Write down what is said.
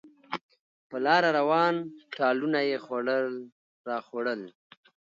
په لاره روان، ټالونه یې خوړل راخوړل.